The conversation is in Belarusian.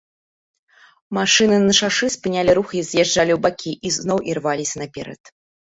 Машыны на шашы спынялі рух і з'язджалі ў бакі, і зноў ірваліся наперад.